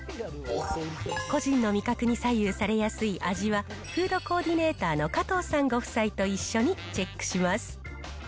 個人の味覚に左右されやすい味は、フードコーディネーターの加藤さんご夫妻と一緒にチェックします。